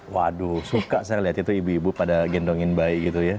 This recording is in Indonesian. waduh suka saya lihat itu ibu ibu pada gendongin bayi gitu ya